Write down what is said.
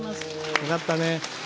よかったね。